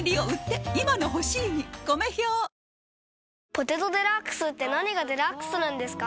「ポテトデラックス」って何がデラックスなんですか？